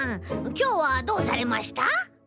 きょうはどうされました？